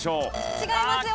違いますよね？